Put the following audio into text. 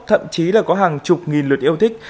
thậm chí là có hàng chục nghìn lượt yêu thích